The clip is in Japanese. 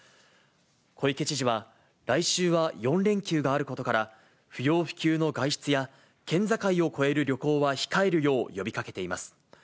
小池知事は、来週は４連休があることから、不要不急の外出や県境を越える旅行は控えるよう呼びかけています。